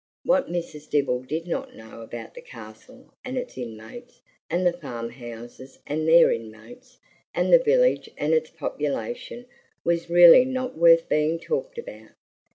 What Mrs. Dibble did not know about the Castle and its inmates, and the farm houses and their inmates, and the village and its population, was really not worth being talked about.